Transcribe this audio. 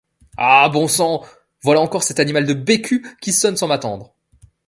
Ah! bon sang ! voilà encore cet animal de Bécu qui sonne sans m’attendre !